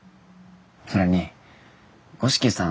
それに五色さん